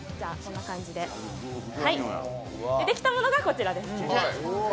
できたものがこちらです。